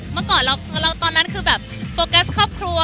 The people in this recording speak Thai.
เมื่อก่อนตอนนั้นคือแบบโฟกัสครอบครัว